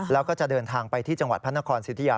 แล้วก็จะเดินทางไปที่จังหวัดพระนครสิทธิยา